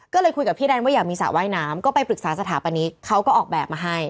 ก็เลยคุยกับพี่แดนว่าอยากมีสระว่ายน้ำก็ไปปรึกษาสถาปนิกเขาก็ออกแบบมาให้